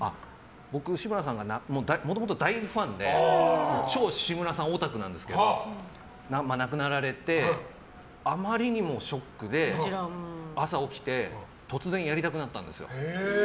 僕、志村さんがもともと大ファンで超志村さんオタクなんですけど亡くなられてあまりにもショックで朝起きて突然やりたくなったんですよ。